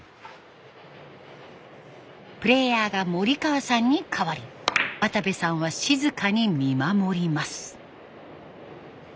プレーヤーが森川さんに替わり渡部さんは静かに見守ります。